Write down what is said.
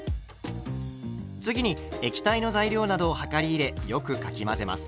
次に液体の材料などを量り入れよくかき混ぜます。